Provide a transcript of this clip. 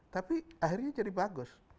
tapi akhirnya jadi bagus